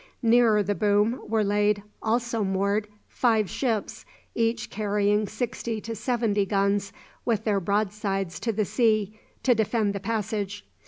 Nearer the boom were laid, also moored, five ships, each carrying sixty to seventy guns, with their broadsides to the sea to defend the passage.